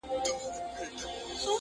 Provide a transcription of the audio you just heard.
د پاچا لمن لاسونو كي روان وه!.